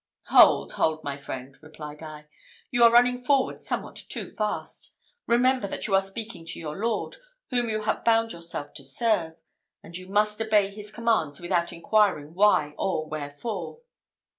"Hold, hold, my friend," replied I, "you are running forward somewhat too fast. Remember that you are speaking to your lord, whom you have bound yourself to serve; and you must obey his commands without inquiring why or wherefore."